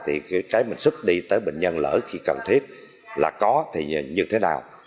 thì cái mình xuất đi tới bệnh nhân lỡ khi cần thiết là có thì như thế nào